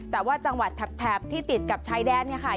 แต่ว่าจังหวัดแถบที่ติดกับชายแดนเนี่ยค่ะ